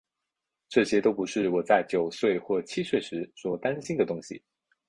这些都不是我在九岁或七岁时所担心的东西。